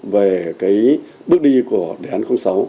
về cái bước đi của đề án sáu